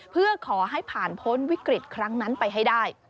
เพื่อขอให้ผ่านพ้นวิกฤตครั้งนั้นไปให้ได้